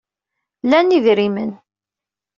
Lan idrimen.